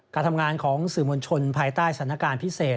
การทำงานของสื่อมวลชนภายใต้สถานการณ์พิเศษ